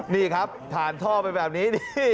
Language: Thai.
นี่ครับผ่านท่อไปแบบนี้นี่